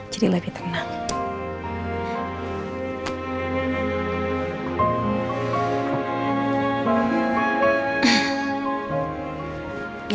jadi lebih tenang